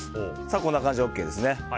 こんな感じでＯＫです。